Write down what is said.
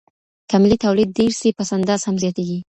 که ملي توليد ډېر سي پس انداز هم زياتيږي.